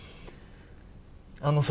あのさ。